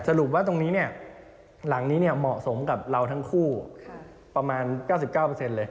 สรุปว่าตรงนี้หลังนี้เหมาะสมกับเราทั้งคู่ประมาณ๙๙เลย